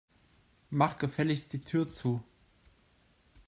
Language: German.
Mach gefälligst die Tür zu.